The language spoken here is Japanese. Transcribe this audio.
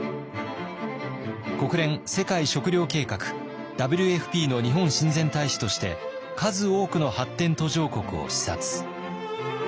国連世界食糧計画＝ＷＦＰの日本親善大使として数多くの発展途上国を視察。